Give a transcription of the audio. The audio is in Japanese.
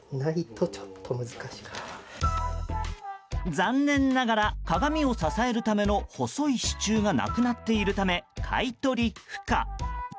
残念ながら、鏡を支えるための細い支柱がなくなっているため買い取り不可。